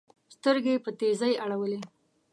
سترګي یې په تېزۍ اړولې